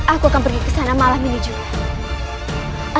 aku akan pergi ke sana malam ini juga